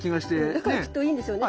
だからきっといいんでしょうね。